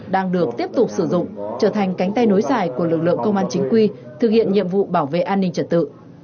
đang được tiếp tục sử dụng trở thành cánh tay nối dài của lực lượng công an chính quy thực hiện nhiệm vụ bảo vệ an ninh trật tự